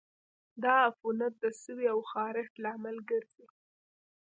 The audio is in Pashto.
دا عفونت د سوي او خارښت لامل ګرځي.